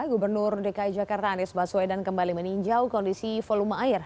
gubernur dki jakarta anies baswedan kembali meninjau kondisi volume air